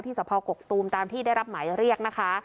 สะพอกกตูมตามที่ได้รับหมายเรียกนะคะ